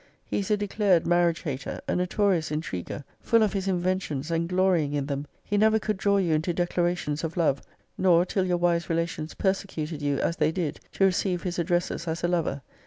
He is a declared marriage hater; a notorious intriguer; full of his inventions, and glorying in them: he never could draw you into declarations of love; nor till your >>> wise relations persecuted you as they did, to receive his addresses as a lover.